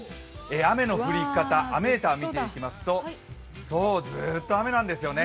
雨の降り方、雨ーターを見ていきますと、ずっと雨なんですよね。